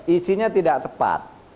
isinya tidak tepat